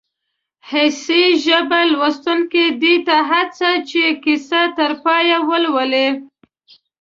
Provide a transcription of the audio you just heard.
حسي ژبه لوستونکی دې ته هڅوي چې کیسه تر پایه ولولي